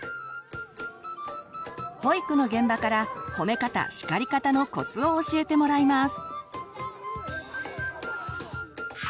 保育の現場から「褒め方・叱り方」のコツを教えてもらいます。